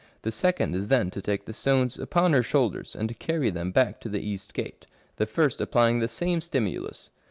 " The second is then to take the stones upon her shoulders and to carry them back to the east gate, the first applying the same stimulus."